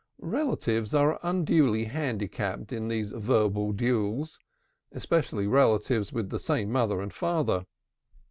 Relatives are unduly handicapped in these verbal duels; especially relatives with the same mother and father.